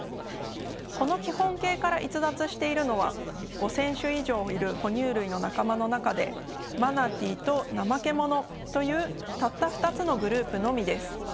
この基本形から逸脱しているのは５，０００種以上いる哺乳類の仲間の中でマナティーとナマケモノというたった２つのグループのみです。